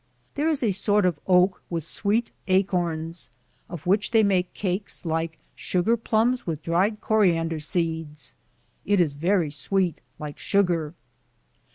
There is a sort of oak with sweet acorns, of which they make cakes like sugar plums with dried coriander seeds. It is very sweet, like sugar.